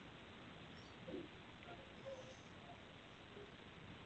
Amaaso gaakula gatya, ga butuli bwa ddiba, maaso mbira, ga ndali oba ga ndege?